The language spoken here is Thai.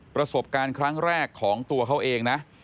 ประสบการณ์ครั้งแรกของตัวเขาเองนะ